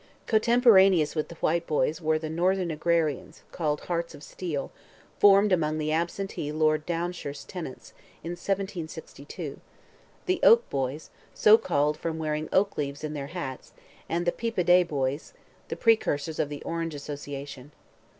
Contemporaneous with the Whiteboys were the northern agrarians, called "Hearts of Steel," formed among the absentee Lord Downshire's tenants, in 1762; the "Oak Boys," so called from wearing oak leaves in their hats; and the "Peep o' Day Boys," the precursors of the Orange Association.